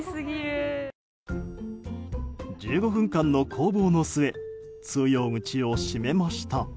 １５分間の攻防の末通用口を閉めました。